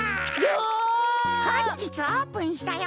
ほんじつオープンしたよ。